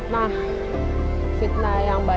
fitnah yang membuat mereka terlalu berdiri